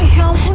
ya ampun kak